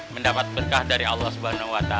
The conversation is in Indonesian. mendapat berkah dari allah swt